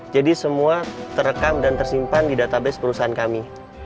jadi semua terekam dan tersimpan di database perusahaan kami